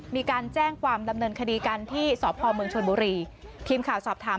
มีการแจ้งความดำเนินคดีกันที่สพเมืองชนบุรีทีมข่าวสอบถาม